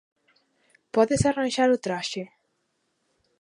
Podes arranxar o traxe?